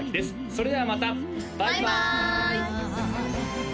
それではまたバイバーイ！